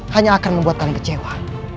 hanya akan membuat kalian kecewa